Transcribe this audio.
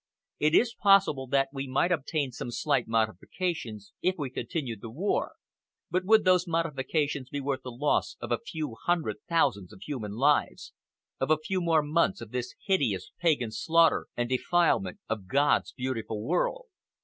It is possible that we might obtain some slight modifications, if we continued the war, but would those modifications be worth the loss of a few more hundred thousands of human lives, of a few more months of this hideous, pagan slaughter and defilement of God's beautiful world?"